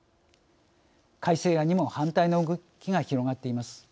改正案にも反対の動きが広がっています。